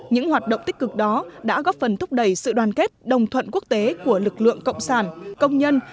những hoạt động tích cực đó đã góp phần thúc đẩy sự đoàn kết đồng thuận quốc tế của lực lượng cộng sản công nhân